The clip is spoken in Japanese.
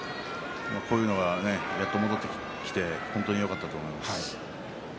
こういうのがやっと戻ってきて本当によかったと思います。